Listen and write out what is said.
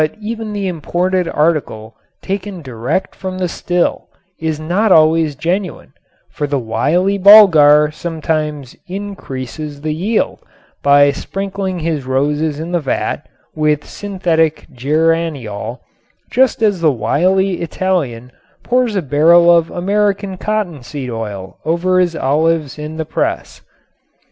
Even the imported article taken direct from the still is not always genuine, for the wily Bulgar sometimes "increases the yield" by sprinkling his roses in the vat with synthetic geraniol just as the wily Italian pours a barrel of American cottonseed oil over his olives in the press.